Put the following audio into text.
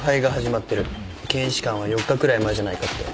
検視官は４日くらい前じゃないかって。